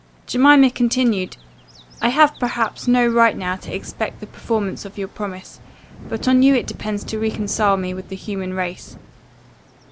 Jemima continued, "I have perhaps no right now to expect the performance of your promise; but on you it depends to reconcile me with the human race."